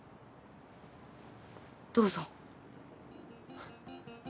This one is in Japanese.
どうぞ。